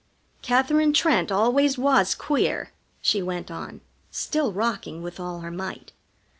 "Katherine Trent always was queer," she went on, still rocking with all her might.